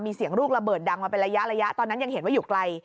มีเสียงลูกระเบิดดังมาเป็นระยะระยะตอนนั้นยังเห็นว่าอยู่ไกล